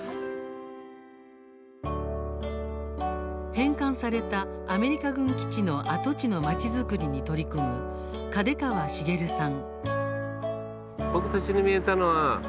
返還されたアメリカ軍基地の跡地の町づくりに取り組む嘉手川重さん。